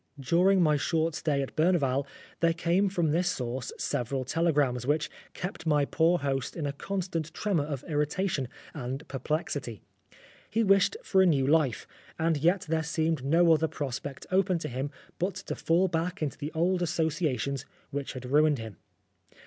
During my short stay at Berneval there came from this source several tele grams, which kept my poor host in a constant tremor of irritation and perplexity. He wished for a new life, and yet there seemed no other prospect open to him but to fall back into the old associations which 239 Oscar Wilde had ruined him.